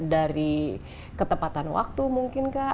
dari ketepatan waktu mungkin kak